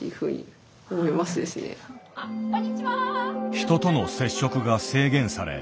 人との接触が制限され